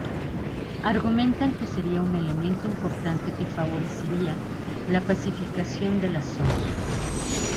Argumentan que sería un elemento importante que favorecería la pacificación de la zona.